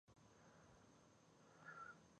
کابل د افغانستان د سیلګرۍ یوه خورا مهمه برخه ده.